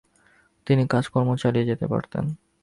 তিনি কাজ-কর্ম চালিয়ে যেতে পারতেন।